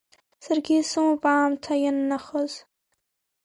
Саргьы исымоуп аамҭа ианнахыз…